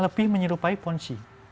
lebih menyerupai ponzi